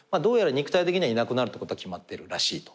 肉体的にいなくなるってことは決まってるらしいと。